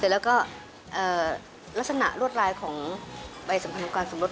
แล้วก็ลักษณะรวดลายของใบสัมพันธ์ของการสมรส